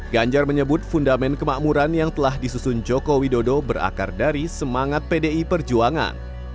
ganjar menyebut fundament kemakmuran yang telah disusun joko widodo berakar dari semangat pdi perjuangan